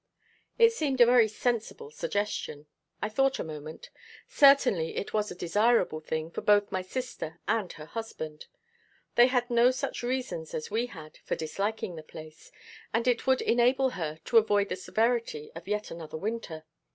It seemed a very sensible suggestion. I thought a moment. Certainly it was a desirable thing for both my sister and her husband. They had no such reasons as we had for disliking the place; and it would enable her to avoid the severity of yet another winter.